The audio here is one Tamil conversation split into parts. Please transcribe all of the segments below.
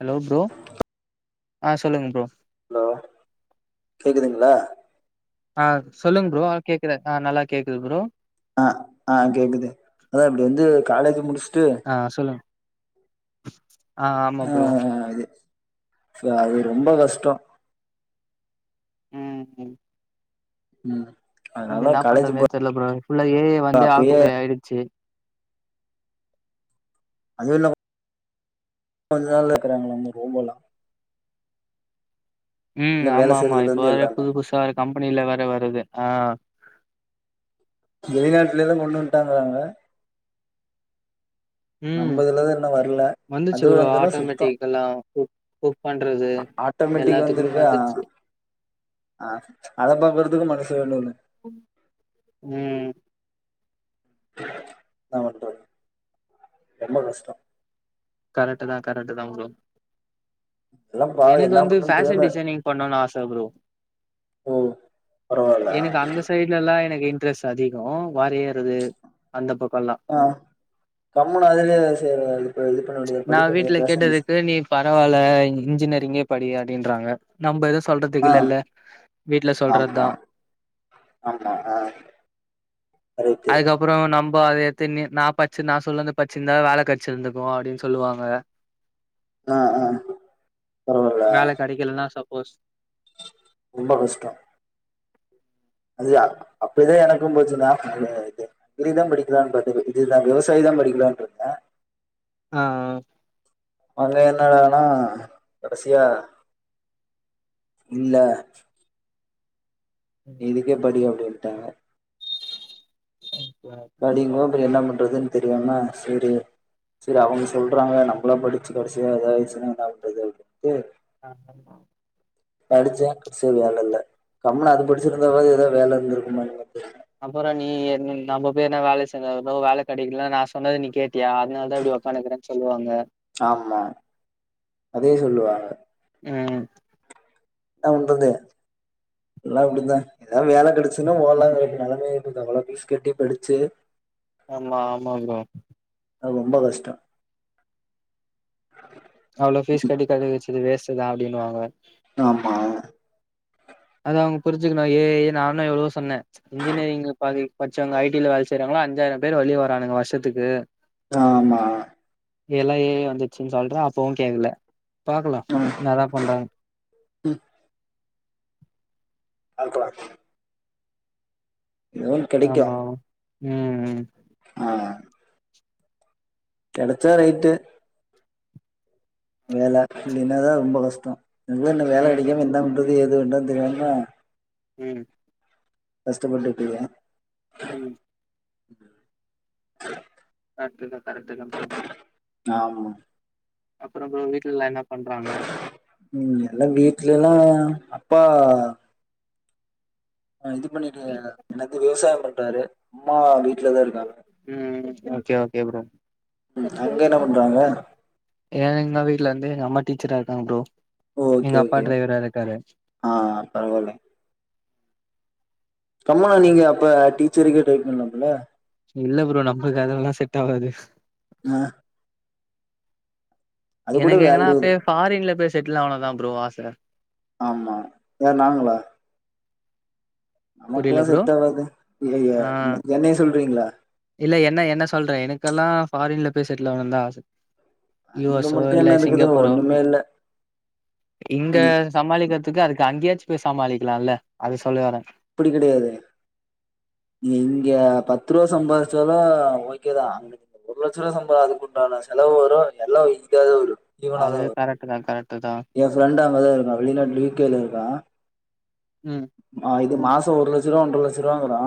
ஹலோ ப்ரோ ஆ சொல்லுங்க ப்ரோ ஹலோ கேக்குதுங்ளா ஆ சொல்லுங்க ப்ரோ ஆ கேக்குற ஆ நல்லா கேக்குது ப்ரோ ஆ ஆ கேக்குது அதா இப்டி வந்து காலேஜ் முடிச்ட்டு ஆ சொல்லுங் ஆ ப்ரோ இது ஃப அது ரொம்ப கஷ்டொ ம் ம் ம் இருந்து அதனால என்னா காலேஜ் பண்றதுனே போ தெர்ல ப்ரோ ஃபுல்லா ஏ ஐ வந்து அப்பயே ஆக்குபை ஆயிருச்சு அது இல்லாம [inaudible] கொஞ்ச நாள்ல இருக்கிறாங்களா நம்ம ரொபோல்லா ம் இல்ல ஆமா வேல ஆமா செய்யறதுல இப்ப இருந்து வேற எல்லாமே புது புதுசா வேற கம்பெனில வேற வருது ஆ வெளிநாட்டுலேலா கொண்டு வந்ட்டாங்கறாங்க ம் நம்பதுலதா இன்னு வர்ல வந்துச்சு அதுவு ப்ரோ வந்துனா சுத்தோ ஆட்டோமேட்டிக்கல்லா குக் குக் பண்றது அ ஆட்டோமேட்டிக் எல்லாத்துக்குமே வந்துருக்கா வந்துருச்சு ஆ அதப்பாக்கறத்துக்கு மனசு வேணுல ம் [unintelligible] ரொம்ப கஷ்டோ கரெக்ட்டுதா கரெக்ட்டுதா ப்ரோ எல்லா பாவோ எனக்கு என்ன வந்து பண்றதுன்னு ஃபேஷன் தெரியாம டிசைனிங் பண்ணன் ஆச ப்ரோ ஓ பரவால்ல எனக்கு அந்த சைட்லல்லா எனக்கு இன்ட்ரெஸ்ட் அதிகோ வரையறது அந்த பக்கொல்லா ஆ கம்முனு அதுலயே ச இது ப இது பண்ண முடியாது நா படிக்க வீட்ல முடியாது ஃபேஷன் டிஷை கேட்டதுக்கு நீ பரவால்ல இன்ஜினியரிங்கே படி அப்டின்றாங்க நம்ம எதுவு ஆ சொல்றதுக்கில்லல வீட்ல ஆமா சொல்றதா ஆமா அ அதுக்கப் ப்றோ நம்ப அத எத்துனு நா பச்சு நா சொல்லத பச்சுருந்தா வேல கெடச்சிருந்துக்கு அப்டின் சொல்லுவாங்க ஆ ஆ பரவால்ல வேல கெடைக்கலனா சப்போஸ் ரொம்ப கஷ்டொ அதுதா அப்பயே எனக்கும் போச்சுனா [unintelligible] இதிதான் படிக்கலான்னு பார்த்தே இதுதான் விவசாயி தா படிக்கலான்டுருக்கே ஆ ஆ மலை என்னடானா கடைசியா இல்ல இதுக்கே படி அப்டின்னுட்டாங்க படிங்கோப்பு என்ன பன்றதுன்னு தெரியாம செரி செரி அவங்க சொல்றாங்க நம்மளா படிச்சு கடைசியா எதா ஆயிடுச்சுன்னா என்னா பண்ணறது அப்படின்ட்டு ஆ தங்கொ படிச்சே சி வேல இல்ல தமிழ்நாட்டில் படிச்சவங்க வேல [unintelligible] [unintelligible] அப்றோ நீ என் நம்ம பேர் என்ன வேல செய்சாலோ வேல கெடைக்கலனா நா சொன்னது நீ கேட்டியா அதனால தா இப்டி உக்காந்துருக்கனு சொல்லுவாங்க ஆமா அதே சொல்லுவாங்க உம் என் பண்றது எல்லா அப்டிதா ஏத வேலை கெடச்சுன்னா ஓட்லானு நிலமே ஆச்சு பீஸ் அவ்வளோ பீஸ் கட்டி படிச்சு ஆமா ஆமா ப்ரோ அது ரொம்ப கஷ்டோ அவ்வளோ பீஸ் கட்டி படிக்க வச்சது வேஸ்ட் தா அப்பின்வாங்க ஆமா அத அவங்க புரிஞ்சுணு ஏ ஐ நானு எவ்ளோ சொன்னே இன்ஜினியரிங் பதி படிசவங்க ஐ டில வேல செய்றாங்களோ அஞ்சாயிரோ பேர் வெழிய வராங்னுங்க வருஷத்துக்கு ஆமா எல்லா ஏ ஐ வந்துச்சுன்னு சொல்றே அப்பவு கேக்கல பாக்கலா என்னா தா பண்றாங் உம் பாக்களா ஒன்னு கெடைக்கு ஆமா உம் உம் ஆ கெடைச்சா ரைட்டு வேல இல்லன்னா தா ரொம்ப கஷ்டோ என்ன வேல ம் என்ன பண்றது எது பண்றது தெரியாம உம் கஷ்டப்பட்டு இருக்கெ உம் அஅஅ கரெக்ட்டுங்க கரெக்ட்டுங்க சொம் ஆம் அப்றோ ப்ரோ வீட்டு எல்லா என்ன பண்றாங்க உம் எல்லா வீட்டுல எல்லா அப்பா இது பண்ணிட்டு இருக்காரு என்னது விவசாயோ பண்டறாரு அம்மா வீட்டுலதா இருக்காங்க உம் ஒகே ஒகே ப்ரோ ம். அங்க என்ன பண்றாங்க? ஏங்கனா வீட்டுல இருந்து எங்க அம்மா டீச்சரா இருக்காங்க ப்ரோ ஓகே எங்க அப்பா ஓகே டிரைவரா இருக்காரு ஆ பரவாயில்ல அம்மாவுக்கு நீங்க அப்ப டீச்சருக்கே டிரை பண்ணலாம்ப்புல இல்ல ப்ரோ நம்பளுக்கு அதெல்லா செட் ஆகாது ஆ அது கூட எனக்கு எங்கன்னா வேல்யூ அப்டியே ஃபாரின்ல போய் செட்டில் ஆகனுந்தா ப்ரோ ஆச ஆம்மா யார் நாங்களா நமக்கெல்லா புரியல ப்ரோ செட் ஆவாது ஆ என்னைய சொல்றீங்களா இல்ல என்ன என்ன சொல்றே எனக்கெல்லா ஃபாரின்ல போய் செட்டுல் ஆகனு தா ஆச யூ அங்க எஸ் ஓ மட்டும் இல்ல என்ன இருக்குது? சிங்கப்பூரோ ஒண்ணுமே இல்ல. இங்க நீ சமாளிக்கிறதுக்கு அதுக்கு அங்கேயாச்சு போய் சமாளிக்கலா இல்ல அத சொல்ல வரே அப்படி கெடையாது இங்க பத்து ரூபா சம்பாதிச்சாலு ஓகேதா அங்க ஒரு லட்சரூபா சம்பாதிப்பு உண்டானா செலவு வரோ எல்லா இங்க தா வரு அது கரெக்ட் தா கரெக்ட் தா எயா ஃப்ரெண்டு அங்க தா இருக்கா வெளிநாட்ல யூ கே இருக்கா ம் ஆ இது மாசோ ஒரு லட்ச ரூபா ஒன்றரை லட்ச ரூபா வாங்குறா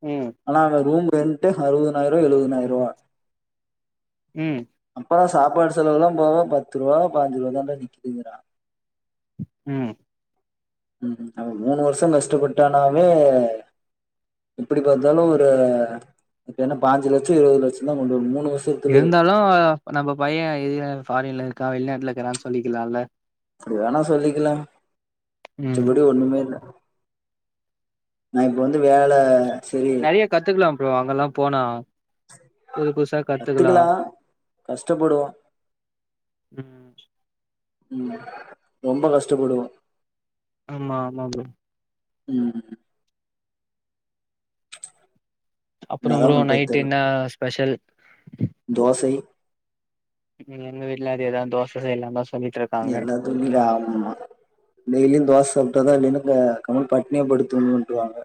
ம் ஆனா அங்க ரூம் ரென்ட்டு அறுவதுனாயிர ரூவா எழுவதுனாயிர ரூவா ம் அப்பறோ சாப்பாடு செலவெல்லா போக பத்து ரூவா பாஞ்சு ரூவா தான்ட நிக்குதுங்கற ம் ம் அவே மூணு வருஷம் கஷ்டப்பட்டானாவே எப்படி பாத்தாலு ஒரு இப்ப என்ன பாஞ்சு லட்சோ இருவது லட்சோ தா கொண்டு வர முடியு மூணு வருஷ் இருந்தாலு நம்ம பையே இது ஃபாரின்ல இருக்கா வெளிநாட்டுல இருக்கறான்னு சொல்லிக்கலாம்ல அப்டி வேணா சொல்லிக்கலாம் ம் மிச்சபடி ஒன்னுமே இல்ல நா இப்ப வந்து வேல செரி நெறைய கத்துக்கலாம் ப்ரோ அங்கல்லா போனா புது புதுசா கத்துக்கலா கஷ்டப்படுவோ ம் ம் ரொம்ப கஷ்டப்படுவோ ஆமா ஆமா ப்ரோ ம் அப்பறம் என்னதா ப்ரோ பண்றது நைட் தெர்ல என்ன ஸ்பெஷல் தோசை எங்க வீட்டிலேயு அதேதா தோச‌ செய்லாந்தா சொல்லிட்டிரு எல்லா துணியிலு ஆகுமா டெய்லியு தோச சாப்டா தா இல்லன்னு கம்முனு பட்டினியா படுத்து தூங்குன்வுட்ருவாங்க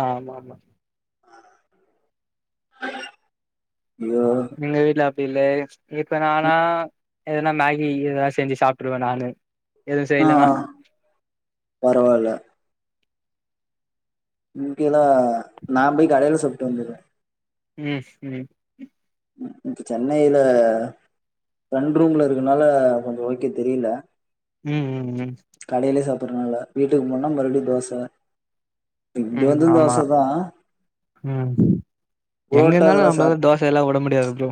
ஆமா ஆமா ஐயோ எங்க வீட்ல அப்டி இல்ல இப்ப நானா எதனா மேகி இகி எதனா செஞ்சி சாப்ருவே நானு எதுவு ஆ செய்யலனா ஆ பரவால்ல இங்கெல்லா நா போய் கடைல சப்புட்டு வந்துறுவே ம் ம் இங்குட்டு சென்னையில ஃப்ரெண்ட் ரூம்ல இருக்கனால கொஞ்சோ ஓகே தெரில ம் ம் ம் கடையிலே சாப்புட்றனால வீட்டுக்கு போனா மறுபடியு தோச இங்க ம் வந்து ஆமா தோச தா ம் புரோட்டா எங்கருந்தாலு அதெல்லா சாப் நம்மதா தோச இதெல்லா உட முடியாது ப்ரோ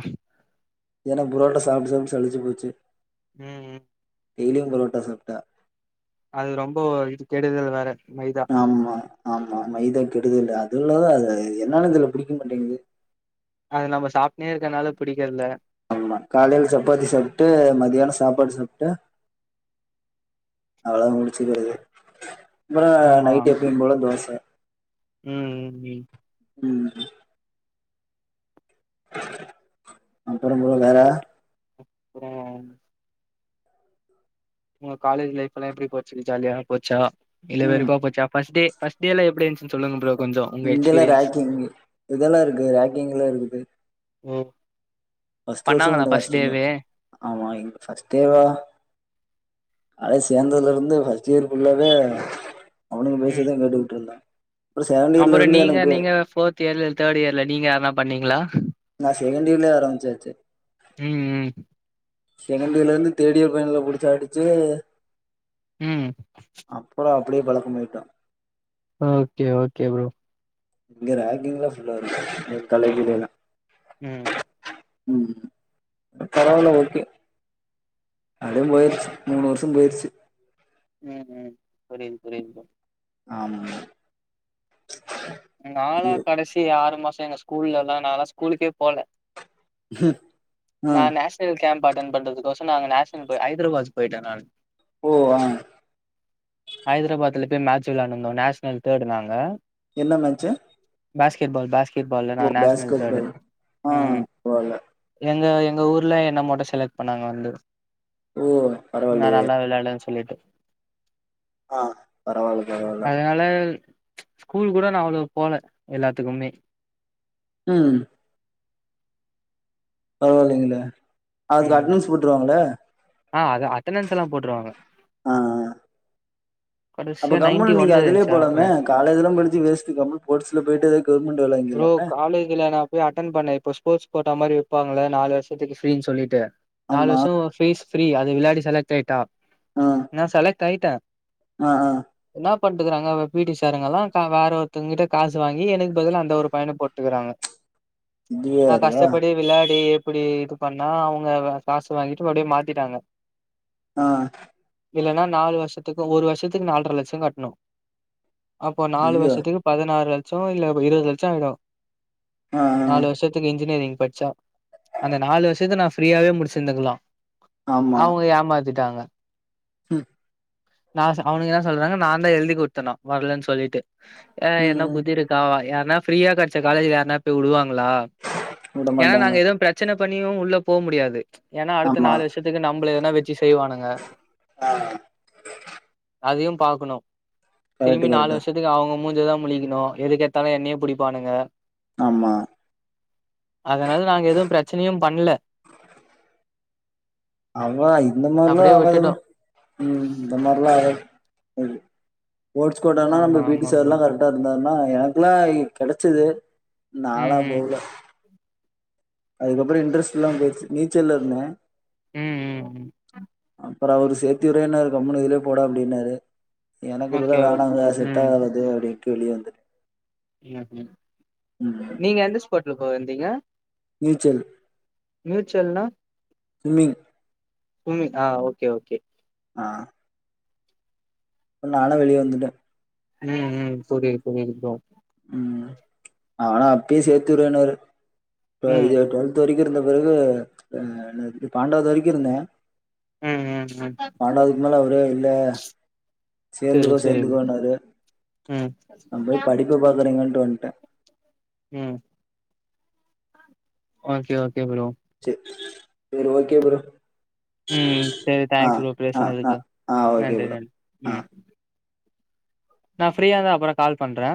ஏன்னா புரோட்டா சாபுட்டு சாபுட்டு சலுச்சி போச்சி ம் ம் டெய்லியும் புரோட்டா சாப்டா அது ரொம்ப இது கெடுதல் வேற மைதா ஆமா ஆமா மைதா கெடுதல் அதுவுயில்லாத அது என்னானு தெர்ல புடிக்க மாட்டேங்குது அது நம்ம சாப்டுனே இருக்கனால புடிக்கல ஆமா காலைல சப்பாத்தி சாப்டு மதியானோ சாப்பாடு சாப்டே அவ்ளதா முடிச்சுகிறது அப்புறோ ஆமா நைட் எப்பயு போல தோச ம் ம் ம் ம் ம் அப்பறோ ப்ரோ வேற ம் உங்க காலேஜ் லைஃபல்லா எப்பிடி போச்சு ஜாலியா போச்சா இல்ல ம் வெறுப்பா போச்சா ஃபர்ஸ்ட் டே ஃபர்ஸ்ட் ல எப்பிடி இருந்துச்சுன்னு சொல்லுங்க ப்ரோ கொஞ்சோ உங்க இங்கெல்லா எக்ஸ்பீரியன்ஸ் ரேக்கிங் இதெல்லாருக்கு ரேக்கிங்லா இருக்குது ஓ ஃபர்ஸ்ட் வருஷோ பண்ணாங்களா கொஞ்சோ ஃபர்ஸ்ட் கஷ்டந்தா டேவே ஆமா இங்க ஃபர்ஸ்ட்டேவா அத சேந்தர்லருந்து ஃபர்ஸ்ட் இயரு புல்லாவே அவனுங்க ம் பேசதா கேட்டுக்கிட்டு இருந்த அப்றோ செகண்டியர்லருந்து எனக்கு டியர்ல தேர்ட்டியர்ல நீங்க யாரன்னா பண்ணீங்களா நா செகண்டியர்லயே ஆரம்பச்சாச்சு ம் ம் செகண்டியர்லருந்து தேடியர் பையன்வோல பிடிச்சு அடிச்சு ம் அப்புறோ அப்படியே பழக்க மாயிட்டோ ஓகே ஓகே ப்ரோ இங்க ரேங்கிங்லா ஃபுல்லாகருக்கு எங்க காலேஜிலேலா ம் ம் பரவால்ல ஓகே அதுவு போயிருச்ச மூணு வருஷோ போயிச்சு ம் ம் புரிது புரிது ஆமா நாளா கடைசி ஆறு மாசோ எங்க ஸ்கூல்லெல்லா நாளா ஸ்கூலுக்கே போல ஆ நா நேஷனல் னல் கேம் அட்டன் பண்றதுக் கோஷ்ரூ நாங்க நேஷனல் ஹதராபத் போயிட்டே நா ஓ ஆ ஹைதராபாத்ல பெய் மேட்ச் விளையாட்ன்ந்தோ நேஷனல் தேர்டு நாங்க என்ன மேச்சு பேஸ்கெட்பால் பேஸ்கெட்பால்ல நா நேஷ்னல் பேஸ்கெட் தேர்ட்டு பால் ஆ ம் பரவால்ல எங்க எங்க ஊர்ல என்ன மட்டு செலெக்ட் பண்ணாங்க வந்து ஓ நா பரவாயில்லையே நல்லா வெளையான்டன் சொல்லிட்டு ஆ பரவால்ல பரவால்ல அதனால ஸ்கூல் கூட நா அவ்ளோவு போல எல்லாத்துக்குமே ம் பரவால்லைங்ளே அதுக்கு ம் அட்னன்ஸ் போட்டுருவாங்கள ஆ அது அட்டனன்ஸ் எல்லா போட்ருவாங்க ஆ அப்ப கடைசியா நைன்டி கம்முனு நீங்க ஒன்னு அதுலயே இருந்துச்சு போலமே அட்டனன்ஸ் காலேஜ்லா படிச்சு வேஸ்ட்டு கம்முனு ஸ்போர்ட்ஸ்ல போயிட்டு எதாவது கவர்மெண்ட் வேல ப்ரோ காலேஜில நா போயி அட்டன் பண்ண இப்போ ஸ்போர்ட்ஸ் போட்ட மாரி வெப்பிங்கள நாலு வருஷத்துக்கு ஃப்ரீன்னு சொல்லிட்டு நாலு ஆமா வருஷோ ஃபீஸ் ஃப்ரீ அது விளையாடி செலக்ட் ஆயிட்டா ஆ நா செலக்ட் ஆயிட்டே ஆ ஆ என்ன பண்ணிட்டுருக்கறாங்க பீட்டி சாருங்கல்லா க வேற ஒருத்தங்க கிட்ட காசு வாங்கி எனக்கு பதில அந் த ஒரு பையன போட்டுக்கிறாங்க இது நா வேறயா கஷ்டப்படி வெளையாடி எப்படி இது பண்ணா பாத்தீங்கனா அவங்க காசு வாங்கிட்டு அப்டியே மாத்திட்டாங்க ஆ இல்லேன்னா நாலு வருஷத்துக்கு ஒரு வருஷத்துக்கு நால்ர லட்சோ கட்ணு அப்போ நாலு ஐயோ வருஷத்துக்கு பதினாறு லட்சோ இல்ல இருபது லட்சோ ஆயிடு ஆ ஆ நாலு வருஷத்துக்கு இன்ஜினியரிங் படிச்சா அந்த நாலு வருஷத்துக்கு நா ஃப்ரீயாவே முடிச்சிருந்துக்கலா ஆமா அவங்க ஏமாத்திட்டாங்க ம் நா சொ அவனுக என்ன சொல்றாங்க நாந்தா எழுதி குட்தனா வர்லன் சொல்லீட்டு அ ம் என்ன ம். புத்திருக் கா வ யார்னா ஃப்ரீயா கெட்ச்ச காலேஜ யருனா போய்வுடுவாங்களா விட ஏனா மாட்டாங்க நாங்க எதும் பிரச் பிரச்சன பண்ணியு உள்ள போ முடியாது ஏனா அடுத்த ஆமா நாலு வர்ஷத்துக்கு நம்பள ஏதனா வெச்சு செய்வானுங்க ஆ அதையு பாக்கணு திரும்பி கரெக்ட்டு நாலு கரெக்ட்டு வர்ஷத்து க்கு அவுங்க மூஞ்சதா முழிக்கணு எதுக் கெட்த்தாலு என்னையே புடிப்பானுங்க ஆமா அதனால நாங்க எது பிரச்சனையு பண்ல அவளா இந்த மாத்ரிலா அப்டியே ஆகாது விட்டுட்டோ ம் இந்த மாத்ரிலா ஆகாது போட்ஸ் கோட்டானா ஆமா நம்ப பீட்டி ஆமா ப்ரோ சார்ல்லா கரெக்டா இருந்தாருன்னா எனக்குலா கெடச்சது ம் நால்லா ம் போகல அதுக்கப்றோ இன்ட்ரெஸ்ட்லாம் போயிடுச்சு நீச்சல்லருந்தே ம் ம் ம் அப்றோ அவரு சேத்தி உறேனாரு கம்முனு இதுலே போட அப்டின்னாரு எனக்கு இதெல்லா ஓகே ஓகே வேணாம்ங்க ம் செட்டாவாது அப்டின்டு வெளிய வந்துட்டே ம் ம் ம் நீங்க எந்த ஸ்குவாட்லப்பா இருந்தீங்க நீச்சல் நீச்சல்னா ஸ்விம்மிங் ஸ்விம்மிங் ஆ ஓகே ஓகே ஆ இப்ப நானா வெளிய வந்துட்டே ம் ம் புரியிது புரியிது ப்ரோ ம் ஆனா அப்பயே சேத்துவிட்றேனாரு இப்ப ம் இது டு வெல்த் வரிக்கு இருந்த பெறகு அ என்னது பன்னடாது வரிக்கு இருந்தே ம் ம் ம் இமலா ஒரே இல்ல செரி சேர்ந்துக்கோ செரி சேர்ந்துக்கோன்னாரு ம் நான் போய் படிப்ப பாக்குறேங்கன்ட்டு வந்துட்டேன் ம் ஓகே ஓகே ப்ரோ சேர் சேரி ஓகே ப்ரோ ம் செரி ஆ தேங்க்ஸ் ப்ரோ ஆ ஆ பேசுனதுக்கு ஆ ஓகே நன்றி ப்ரோ நன்றி ஆ ம் நா ஃப்ரீயா இருந்தா அப்றோ கால் பண்றே